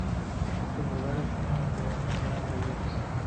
Estos lugares son de una gran belleza.